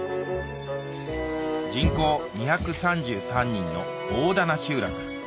人口２３３人の大棚集落